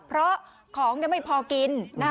เพราะของไม่พอกิน